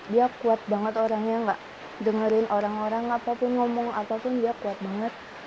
dia kuat banget orangnya gak dengerin orang orang apapun ngomong apapun dia kuat banget